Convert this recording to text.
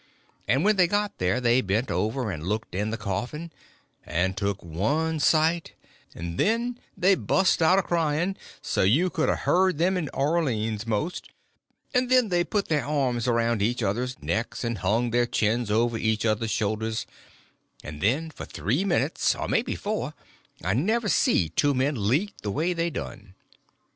And when they got there they bent over and looked in the coffin, and took one sight, and then they bust out a crying so you could a heard them to Orleans, most; and then they put their arms around each other's necks, and hung their chins over each other's shoulders; and then for three minutes, or maybe four, I never see two men leak the way they done.